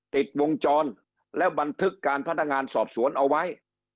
ติดวงจรแล้วบันทึกการพนักงานสอบสวนเอาไว้